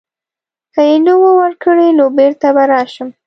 که یې نه وه ورکړې نو بیرته به راشم.